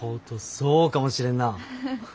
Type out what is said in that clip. そうかもしれんなあ。